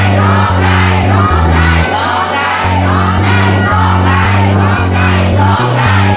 ร้องได้ร้องได้ร้องได้